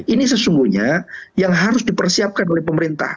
ini sesungguhnya yang harus dipersiapkan oleh pemerintah